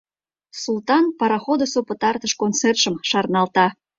Султан пароходысо пытартыш концертшым шарналта.